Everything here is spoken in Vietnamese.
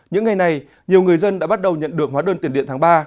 những ngày này nhiều người dân đã bắt đầu nhận được hóa đơn tiền điện tháng ba